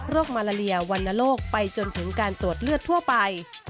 มาลาเลียวรรณโรคไปจนถึงการตรวจเลือดทั่วไป